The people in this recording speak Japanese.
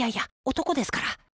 男ですから。